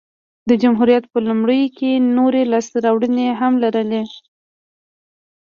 د جمهوریت په لومړیو کې نورې لاسته راوړنې هم لرلې